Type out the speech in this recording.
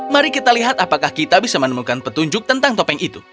mari kita lihat apakah kita bisa menemukan petunjuk tentang topeng itu